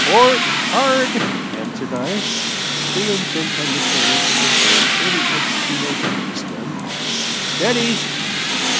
"Port, hard!" answered I, too intent on the channel to enter into any explanation just then. "Steady!"